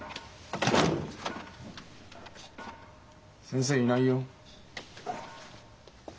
先生いないよ。